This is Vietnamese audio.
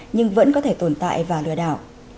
nhưng vẫn có thể tồn tại và lừa đảo